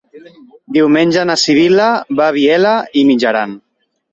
Diumenge na Sibil·la va a Vielha e Mijaran.